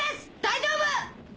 大丈夫！